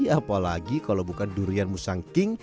apalagi kalau bukan durian musangking